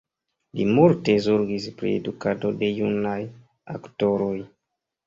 Li multe zorgis pri edukado de junaj aktoroj.